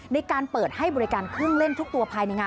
ในการเปิดให้บริการเครื่องเล่นทุกตัวภายในงาน